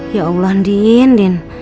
ya allah andin